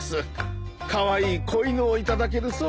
カワイイ子犬を頂けるそうで。